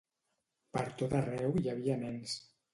Per tot arreu hi havia nens.